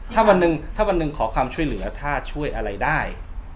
ถ้าวันหนึ่งขอความช่วยเหลือถ้าช่วยอะไรได้